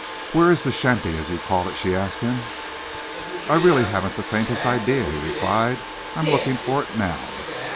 "Where is this shanty, as you call it?" she asked him. "I really haven't the faintest idea," he replied. "I am looking for it now.